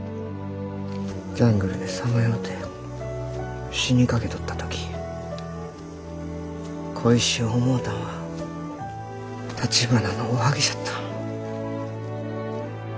ジャングルでさまようて死にかけとった時恋しゅう思うたんはたちばなのおはぎじゃった。